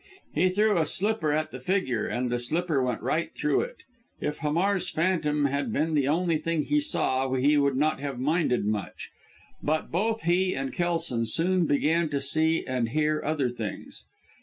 He threw a slipper at the figure, and the slipper went right through it. If Hamar's phantom had been the only thing he saw, he would not have minded much; but both he and Kelson soon began to see and hear other things.